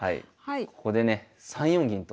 ここでね３四銀と。